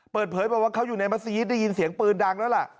เปิดเผยบอกว่าเขาอยู่ในมัศยิตได้ยินเสียงปืนดังแล้วล่ะ